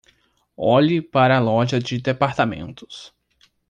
Olhe para a loja de departamentos